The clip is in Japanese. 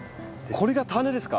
これが種ですか？